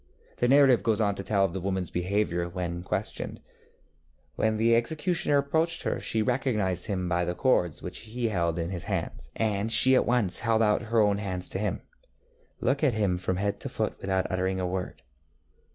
The narrative goes on to tell of the womanŌĆÖs behaviour when questioned. ŌĆśWhen the executioner approached her she recognized him by the cords which he held in his hands, and she at once held out her own hands to him, looking at him from head to foot without uttering a word.